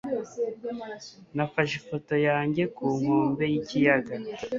Nafashe ifoto yanjye ku nkombe yikiyaga.